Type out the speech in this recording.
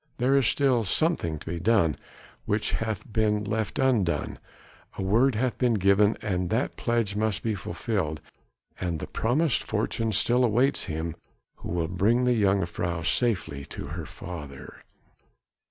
There is still something to be done, which hath been left undone, a word hath been given and that pledge must be fulfilled, and the promised fortune still awaits him who will bring the jongejuffrouw safely to her father!